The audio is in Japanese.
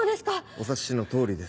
お察しの通りです。